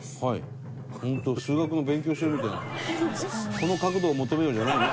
「この角度を求めよ」じゃないの？